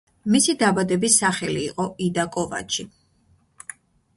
მისი დაბადების სახელი იყო იდა კოვაჩი.